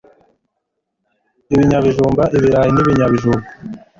Ibinyabijumba Ibirayi nIbijumba